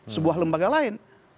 sebuah lembaga lain